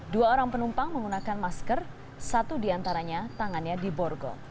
dua orang penumpang menggunakan masker satu diantaranya tangannya di borgo